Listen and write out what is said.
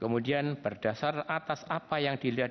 kemudian berdasar atas apa yang dilihat di youtube